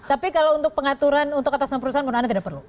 tapi kalau untuk pengaturan untuk atasan perusahaan menurut anda tidak perlu